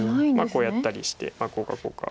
こうやったりしてこうかこうか。